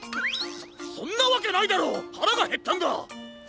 そそんなわけないだろ！はらがへったんだ！